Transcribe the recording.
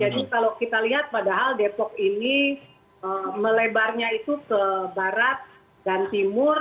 jadi kalau kita lihat padahal depok ini melebarnya itu ke barat dan timur